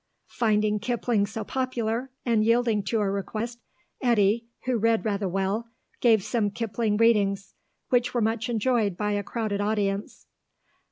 Finding Kipling so popular, and yielding to a request, Eddy, who read rather well, gave some Kipling readings, which were much enjoyed by a crowded audience.